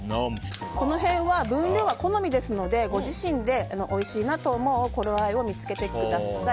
この辺は分量は好みですのでご自身でおいしいなと思う頃合いを見つけてください。